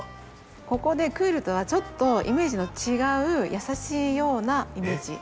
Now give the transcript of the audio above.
ここでクールとはちょっとイメージの違う優しいようなイメージの。